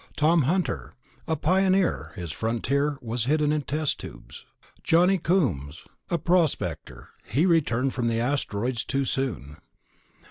Tom Hunter. A pioneer his frontier was hidden in test tubes. Johnny Coombs. A prospector he returned from the asteroids too soon.